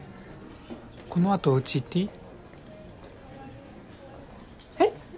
このあとおうち行っていい？